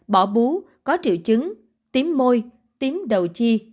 bỏ bú có triệu chứng tím môi tím đầu chi